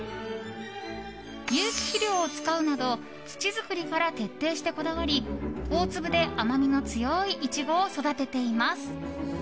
有機肥料を使うなど土作りから徹底してこだわり大粒で甘みの強いイチゴを育てています。